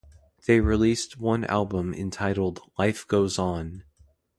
They released one album entitled "Life Goes On".